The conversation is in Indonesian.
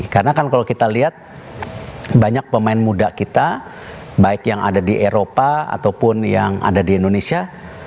karena kan kalau kita lihat banyak pemain muda kita baik yang ada di eropa ataupun yang ada di indonesia